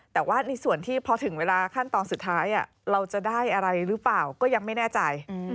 แต่ว่าในส่วนที่พอถึงเวลาขั้นตอนสุดท้ายเราจะได้อะไรหรือเปล่าก็ยังไม่แน่ใจ